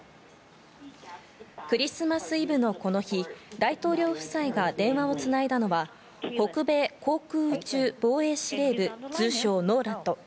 クリスマスイブのこの日、大統領夫妻が電話をつないだのは、北米航空宇宙防衛司令部、通称ＮＯＲＡＤ。